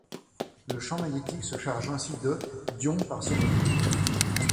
Le champ magnétique se charge ainsi de d’ions par seconde.